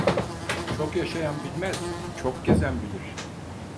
Çok yaşayan bilmez, çok gezen bilir.